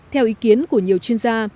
theo ý kiến của nhiều chuyên gia